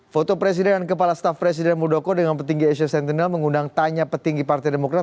foto presiden dan kepala staf presiden muldoko dengan petinggi asia sentinel mengundang tanya petinggi partai demokrat